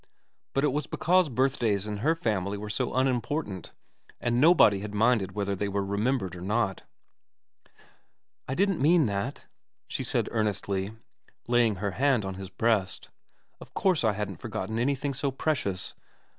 But it was because birthdays in her family were so unimportant, and nobody had minded whether they were remembered or not. TIV VERA 157 ' I didn't mean that,' she said earnestly, laying her hand on his breast. ' Of course I hadn't forgotten anything so precious.